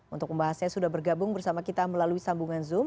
untuk membahasnya sudah bergabung bersama kita melalui sambungan zoom